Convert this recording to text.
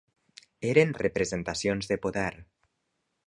Eren representacions de poder.